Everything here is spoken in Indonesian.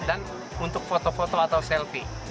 dan untuk foto foto atau selfie